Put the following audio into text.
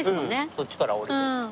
そっちから下りて。